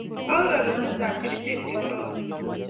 Ak rerunetab kerichek chekororon